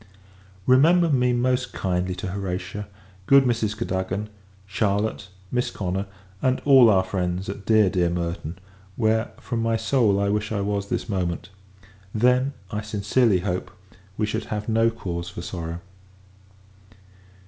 Remember me most kindly to Horatia, good Mrs. Cadogan, Charlotte, Miss Connor, and all our friends at dear, dear Merton; where, from my soul, I wish I was, this moment: then, I sincerely hope, we should have no cause for sorrow.